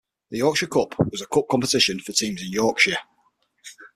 The Yorkshire Cup was a cup competition for teams in Yorkshire.